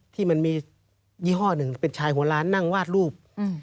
ที่มันมียี่ห้อหนึ่งเป็นชายหัวล้านนั่งวาดรูป